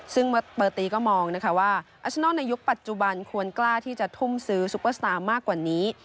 ซึ่งเบอร์ตีก็มองนะคะว่าอัชนอลในยุคปัจจุบันควรกล้าที่จะทุ่มซื้อซุปเปอร์สตาร์มากกว่านี้